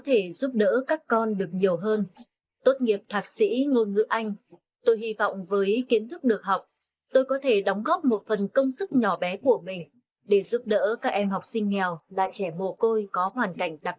hội phụ nữ công an tỉnh bình phước